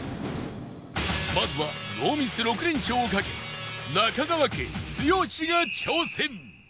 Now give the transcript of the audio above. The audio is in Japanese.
まずはノーミス６連勝をかけ中川家剛が挑戦！